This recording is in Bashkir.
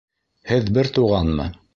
Һеҙ бер туғанмы?